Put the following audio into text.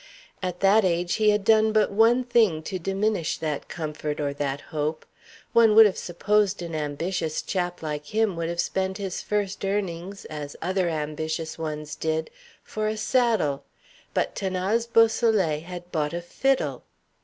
At that age he had done but one thing to diminish that comfort or that hope. One would have supposed an ambitious chap like him would have spent his first earnings, as other ambitious ones did, for a saddle; but 'Thanase Beausoleil had bought a fiddle.